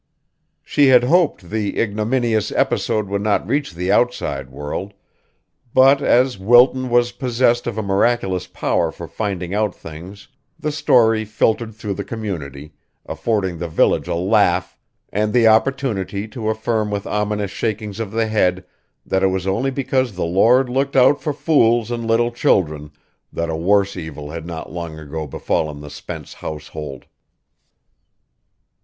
She had hoped the ignominious episode would not reach the outside world; but as Wilton was possessed of a miraculous power for finding out things the story filtered through the community, affording the village a laugh and the opportunity to affirm with ominous shakings of the head that it was only because the Lord looked out for fools and little children that a worse evil had not long ago befallen the Spence household.